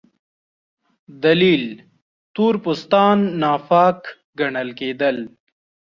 دلیل: تور پوستان ناپاک ګڼل کېدل.